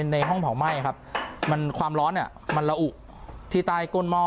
ในห้องเผาไหม้ครับมันความร้อนมันระอุที่ใต้ก้นหม้อ